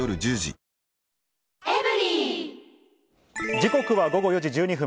時刻は午後４時１２分。